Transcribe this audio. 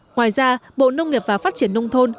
ngoài ra bộ nông nghiệp và phát triển nông thôn